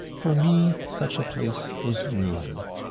For me such a place was ruin.